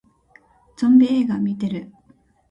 ゾンビ映画見てる